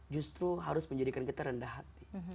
justru harus menjadikan kita rendah hati